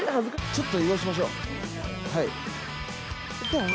ちょっと移動しましょう。